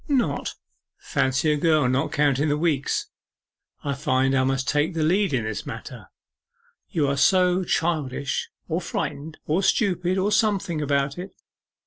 'Not? Fancy a girl not counting the weeks! I find I must take the lead in this matter you are so childish, or frightened, or stupid, or something, about it.